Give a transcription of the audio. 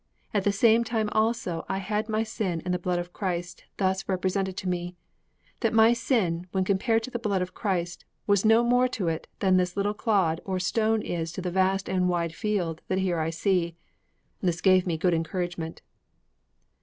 At the same time also I had my sin and the blood of Christ thus represented to me: that my sin, when compared to the blood of Christ, was no more to it than this little clod or stone is to the vast and wide field that here I see. This gave me good encouragement.'